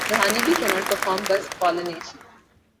The honeybee cannot perform buzz pollination.